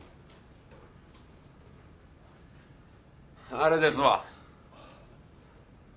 あれですわ。